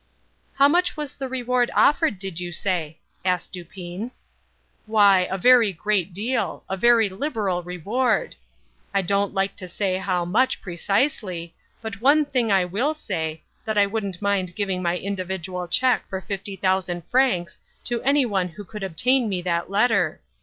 "How much was the reward offered, did you say?" asked Dupin. "Why, a very great deal—a very liberal reward—I don't like to say how much, precisely; but one thing I will say, that I wouldn't mind giving my individual check for fifty thousand francs to any one who could obtain me that letter.